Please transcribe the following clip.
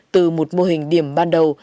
từ một mô hình điểm ban đầu